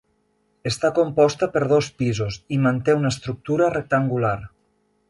Està composta per dos pisos i manté una estructura rectangular.